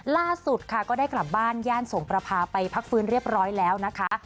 ล่าสุดค่ะก็ได้กลับบ้านย่านสงประพาไปพักฟื้นเรียบร้อยแล้วนะคะ